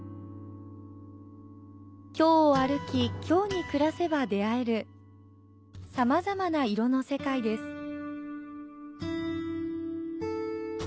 京を歩き、京に暮らせば出会えるさまざまな色の世界です。